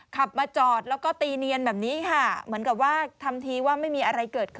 ขับมาจอดแล้วก็ตีเนียนแบบนี้ค่ะเหมือนกับว่าทำทีว่าไม่มีอะไรเกิดขึ้น